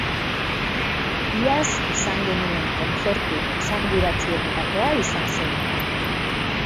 Iaz izan genuen kontzertu esanguratsuenetakoa izan zen hura.